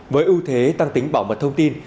với ưu thế tăng tính bảo mật thông tin